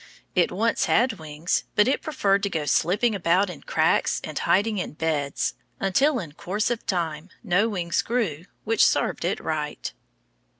It once had wings, but it preferred to go slipping about in cracks and hiding in beds, until in course of time no wings grew, which served it right.